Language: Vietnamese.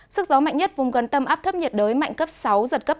sức gió mạnh nhất vùng gần tâm áp thấp nhiệt đới mạnh cấp sáu giật cấp tám